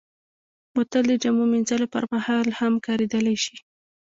بوتل د جامو مینځلو پر مهال هم کارېدلی شي.